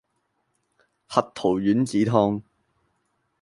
核桃丸子湯